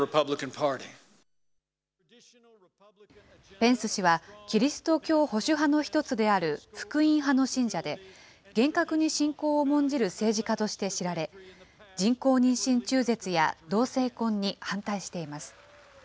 ペンス氏はキリスト教保守派の１つである福音派の信者で、厳格に信仰を重んじる政治家として知られ、人工妊娠中絶や同性婚に反対しています。